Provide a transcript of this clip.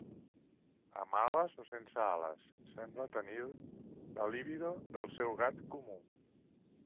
Amb ales o sense ales, sembla tenir la libido del seu gat comú.